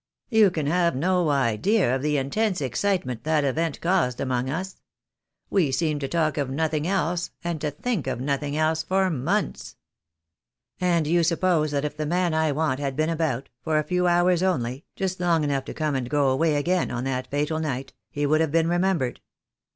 You can have no idea of the intense excitement that event caused among us. We seemed to talk of nothing else, and to think of nothing else for months." "And you suppose that if the man I want had been about — for a few hours only, just long enough to come and go away again on that fatal night, he would have been remembered?"